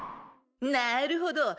なるほど。